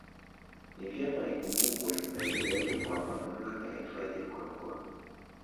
Ni vyema ikumbukwe na ieleweke kwamba Mamlaka ya hifadhi Ngorongoro